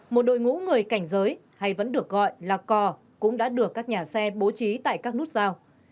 một đội ngũ người cảnh giới hay vẫn được gọi là cò cũng đã được các nhà xe bố trí tại các nút giao